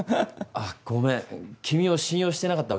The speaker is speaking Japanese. あっごめん君を信用してなかったわけじゃ。